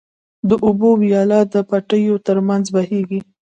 د اوبو وياله د پټيو تر منځ بهيږي.